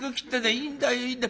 いいんだよいいんだよ。